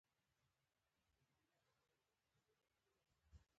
مقاومته څخه لاس اخلي.